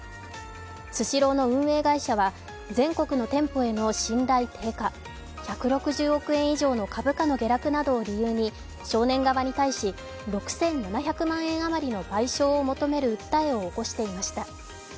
スシローの運営会社は全国の店舗への信頼低下、１６０億円以上の株価の下落などを理由に少年側に対し、６７００万円余りの賠償を求める訴えを起こしていました。